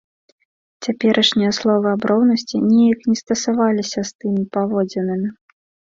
Цяперашнія словы аб роўнасці неяк не стасаваліся з тымі паводзінамі.